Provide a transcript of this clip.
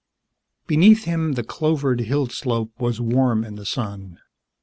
Beneath him the clovered hill slope was warm in the sun.